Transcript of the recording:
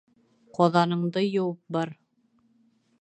Ҡаҙаныңды йыуып бар.